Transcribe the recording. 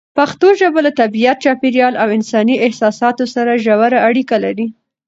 پښتو ژبه له طبیعت، چاپېریال او انساني احساساتو سره ژوره اړیکه لري.